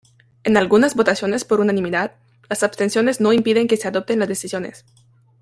En algunas votaciones por unanimidad, las abstenciones no impiden que se adopten las decisiones.